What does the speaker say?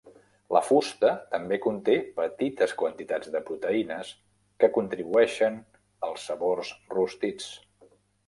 La fusta també conté petites quantitats de proteïnes, que contribueixen als sabors rostits.